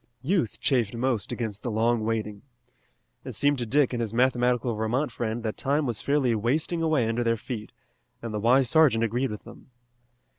Youth chafed most against the long waiting. It seemed to Dick and his mathematical Vermont friend that time was fairly wasting away under their feet, and the wise sergeant agreed with them.